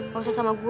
gak usah sama gue